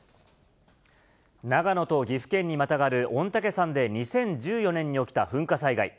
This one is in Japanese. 長野と岐阜県にまたがる御嶽山で２０１４年に起きた噴火災害。